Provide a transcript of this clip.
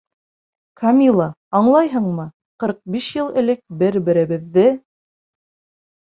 Камила, аңлайһыңмы, ҡырҡ биш йыл элек бер-беребеҙҙе...